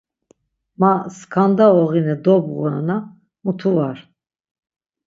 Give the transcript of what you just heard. Ma skanda oğine dobğura-na, mutu var.